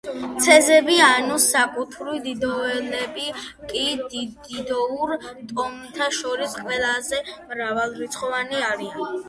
ცეზები ანუ საკუთრივ დიდოელები კი დიდოურ ტომთა შორის ყველაზე მრავალრიცხოვანნი არიან.